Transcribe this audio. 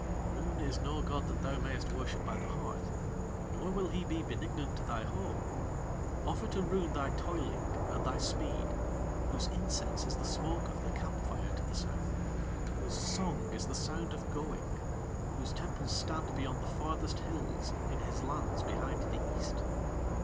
Roon is no god that thou mayest worship by thy hearth, nor will he be benignant to thy home. Offer to Roon thy toiling and thy speed, whose incense is the smoke of the camp fire to the South, whose song is the sound of going, whose temples stand beyond the farthest hills in his lands behind the East.